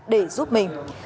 để giúp mình